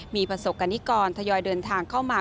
มีประสบกรณิกรทยอยเดินทางเข้ามา